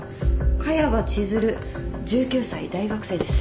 萱場千寿留１９歳大学生です。